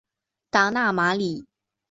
达讷马里。